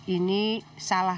ini salah satu